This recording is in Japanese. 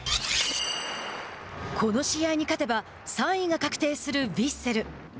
この試合に勝てば３位が確定するヴィッセル。